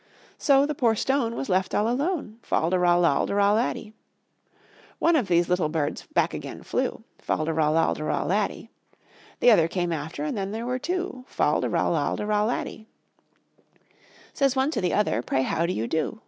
So the poor stone was left all alone, Fal de ral al de ral laddy. One of these little birds back again flew, Fal de ral al de ral laddy. The other came after and then there were two, Fal de ral al de ral laddy. Says one to the other: "Pray, how do you do?"